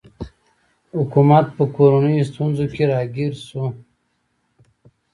حکومت په کورنیو ستونزو کې ګیر شو.